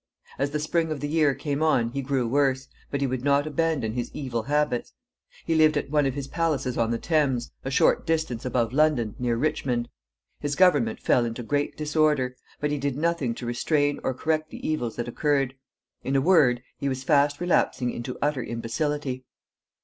As the spring of the year came on he grew worse, but he would not abandon his evil habits. He lived at one of his palaces on the Thames, a short distance above London, near Richmond. His government fell into great disorder, but he did nothing to restrain or correct the evils that occurred. In a word, he was fast relapsing into utter imbecility.